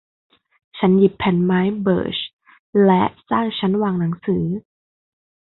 ฉันหยิบแผ่นไม้เบิร์ชและสร้างชั้นวางหนังสือ